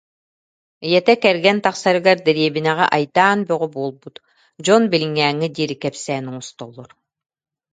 Ийэтэ кэргэн тахсарыгар дэриэбинэҕэ айдаан бөҕө буолбут, дьон билиҥҥээҥҥэ диэри кэпсээн оҥостоллор